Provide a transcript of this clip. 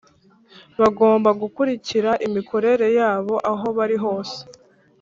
bagomba gukurikira imikorere yabo ahobari hose